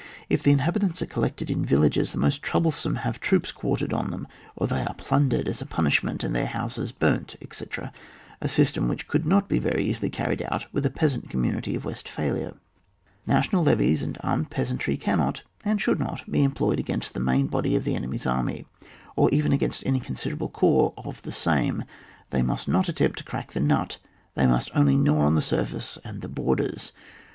If the inhabitants are collected in villages, the most troublesome have troops quartered on them, or they are plundered as a punishment, and their houses burnt, etc., a system which coidd not be very easily carried out with a peasant com munity of Westphalia. National levies and armed peasantry cannot and should not be employed against the main body of the enemy's army, or even against any considerable corps of the same, they must not attempt to crack the nut, they must only gnaw on the surface and the borders.